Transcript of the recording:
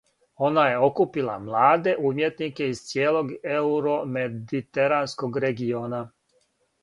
Она је окупила младе умјетнике из цијелог еуромедитеранског региона.